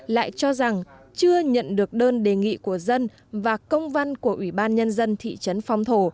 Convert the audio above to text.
lại cho rằng chưa nhận được đơn đề nghị của dân và công văn của ủy ban nhân dân thị trấn phong thổ